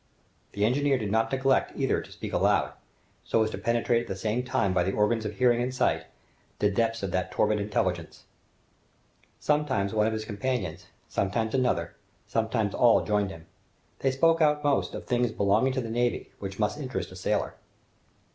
The engineer did not neglect either to speak aloud, so as to penetrate at the same time by the organs of hearing and sight the depths of that torpid intelligence. Sometimes one of his companions, sometimes another, sometimes all joined him. They spoke most often of things belonging to the navy, which must interest a sailor.